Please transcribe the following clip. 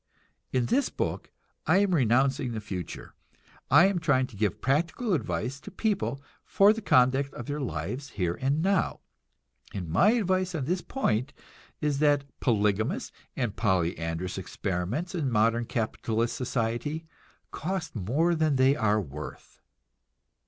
In this book I am renouncing the future I am trying to give practical advice to people, for the conduct of their lives here and now, and my advice on this point is that polygamous and polyandrous experiments in modern capitalist society cost more than they are worth.